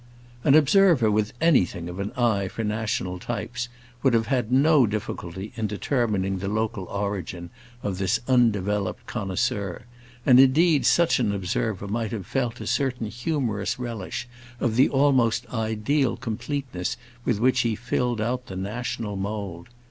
An observer with anything of an eye for national types would have had no difficulty in determining the local origin of this undeveloped connoisseur, and indeed such an observer might have felt a certain humorous relish of the almost ideal completeness with which he filled out the national mould.